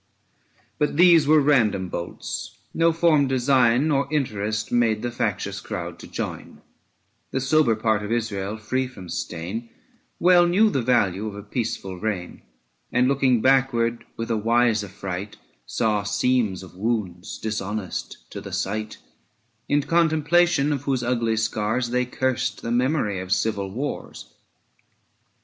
But these were random bolts; no formed design Nor interest made the factious crowd to join : The sober part of Israel, free from stain, Well knew the value of a peaceful reign ; 70 And looking backward with a wise affright Saw seams of wounds dishonest to the sight, In contemplation of whose ugly scars They cursed the memory of civil wars.